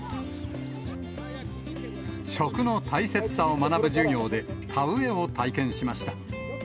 食の大切さを学ぶ授業で、田植えを体験しました。